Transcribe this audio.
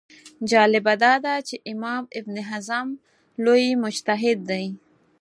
جالبه دا ده چې امام ابن حزم لوی مجتهد دی